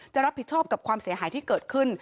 จะรับผิดชอบกับความเสียหายที่เกิดขึ้น